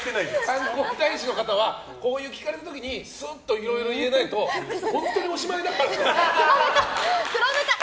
観光大使の方はこうやって聞かれた時にすっといろいろ言えないと本当におしまいだからね。